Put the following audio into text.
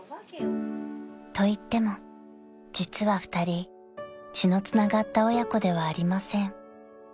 ［といっても実は２人血のつながった親子ではありません］